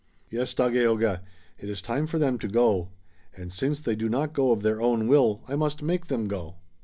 "Yes, Dagaeoga. It is time for them to go. And since they do not go of their own will I must make them go."